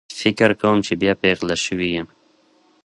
فکر کوم چې بیا پیغله شوې یم